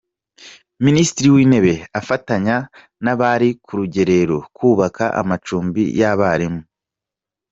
Minisitiri w’Intebe afatanya n’abari ku rugerero kubaka amacumbi y’abarimu.